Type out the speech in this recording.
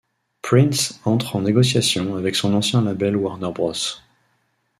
Prince entre en négociation avec son ancien label Warner Bros.